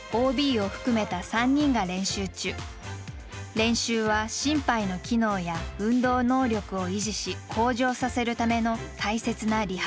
練習は心肺の機能や運動能力を維持し向上させるための大切なリハビリでもあります。